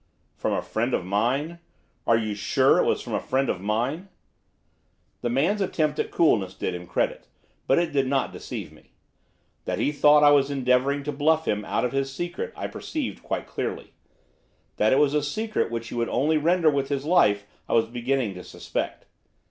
'From a friend of mine? Are you sure it was from a friend of mine?' The man's attempt at coolness did him credit, but it did not deceive me. That he thought I was endeavouring to bluff him out of his secret I perceived quite clearly; that it was a secret which he would only render with his life I was beginning to suspect.